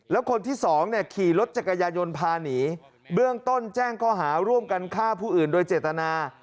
แล้วคนที่สองเนี่ยขี่รถจักรยายนพาหนีเบื้องต้นแจ้งข้อหาร่วมกันฆ่าผู้อื่นโดยเจตนา